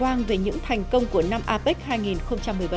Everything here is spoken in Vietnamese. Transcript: is đe dọa tấn công châu âu dịp giáng sinh